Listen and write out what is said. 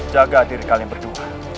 jaga diri kalian berdua